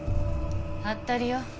はったりよ。